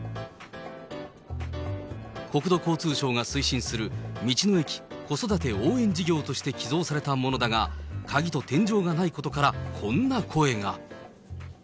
国土交通省が推進する、道の駅子育て応援事業として寄贈されたものだが、鍵と天井がないことからこんな声が。